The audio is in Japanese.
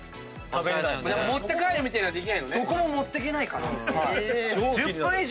持って帰るみたいなのできないのね。